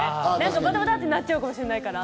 バタバタとなっちゃうかもしれないので。